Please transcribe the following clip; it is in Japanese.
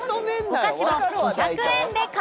お菓子を５００円で買おう！